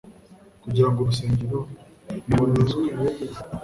kugira ngo urusengero nibonezwe.